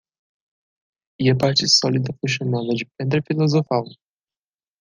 E a parte sólida foi chamada de Pedra Filosofal.